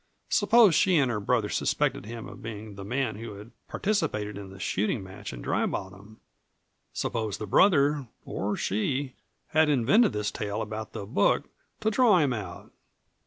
Suppose she and her brother suspected him of being the man who had participated in the shooting match in Dry Bottom? Suppose the brother, or she, had invented this tale about the book to draw him out?